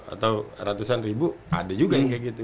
atau ratusan ribu ada juga